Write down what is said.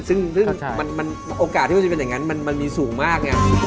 ซึ่งโอกาสที่มันจะเป็นอย่างนั้นมันมีสูงมากไง